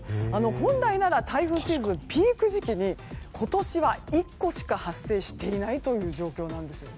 本来な台風シーズンピーク時期に今年は１個しか発生していないという状況なんですね。